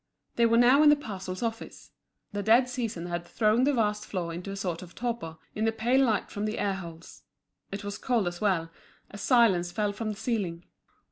They were now in the parcels office. The dead season had thrown the vast floor into a sort of torpor, in the pale light from the air holes. It was cold as well, a silence fell from the ceiling.